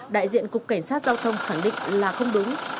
đại diện cục cảnh sát giao thông khẳng định là không đúng